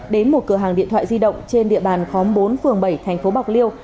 đến một cửa hàng điện thoại di động trên địa bàn khóm bốn phường bảy tp bạc liêu